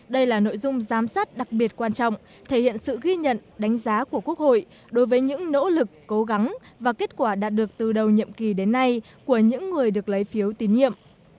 đây là nội dung giám sát đặc biệt quan trọng thể hiện sự ghi nhận đánh giá của quốc hội đối với những nỗ lực cố gắng và kết quả đạt được từ đầu nhiệm kỳ đến nay của những người được lấy phiếu tín nhiệm